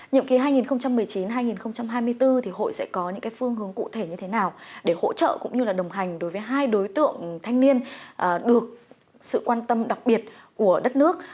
nhiệm kỳ hai nghìn một mươi chín hai nghìn hai mươi bốn hội sẽ có những phương hướng cụ thể như thế nào để hỗ trợ cũng như là đồng hành đối với hai đối tượng thanh niên được sự quan tâm đặc biệt của đất nước